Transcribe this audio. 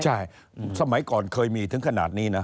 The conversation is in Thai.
ใช่สมัยก่อนเคยมีถึงขนาดนี้นะ